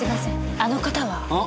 あの方は？ああ？